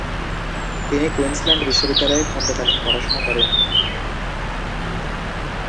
তিনি কুইন্সল্যান্ড বিশ্ববিদ্যালয়ে খণ্ডকালীন পড়াশোনা করেন।